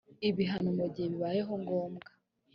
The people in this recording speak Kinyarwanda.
ibihano mu gihe bibaye ngombwa